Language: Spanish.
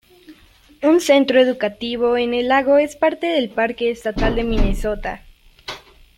Un centro educativo en el lago es parte del parque estatal de Minnesota.